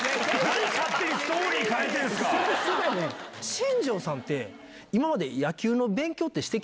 新庄さんって。